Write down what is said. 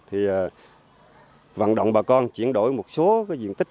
thì vận động bà con chuyển đổi một số diện tích